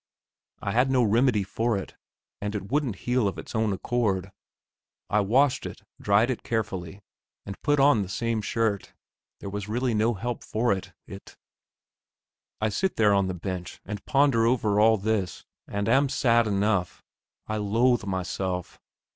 I had no remedy for it, and it wouldn't heal of its own accord. I washed it, dried it carefully, and put on the same shirt. There was no help for it, it.... I sit there on the bench and ponder over all this, and am sad enough. I loathe myself.